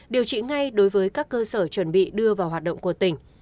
điều trị ngay đối với các cơ sở chuẩn bị đưa vào hoạt động của tỉnh